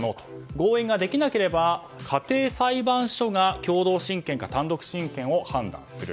合意ができなければ家庭裁判所が共同親権か単独親権を判断する。